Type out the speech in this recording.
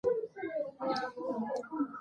افغانستان په ښتې باندې تکیه لري.